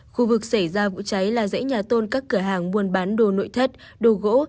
khu vực xảy ra vụ cháy là dãy nhà tôn các cửa hàng buôn bán đồ nội thất đồ gỗ